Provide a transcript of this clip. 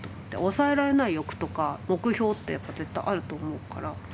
抑えられない欲とか目標ってやっぱ絶対あると思うから。